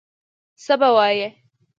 څه به وایي.